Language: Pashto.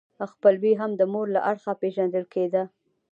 خپلوي هم د مور له اړخه پیژندل کیده.